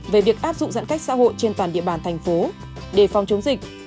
về việc áp dụng giãn cách xã hội trên toàn địa bàn thành phố để phòng chống dịch